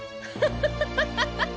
ハハハハハ！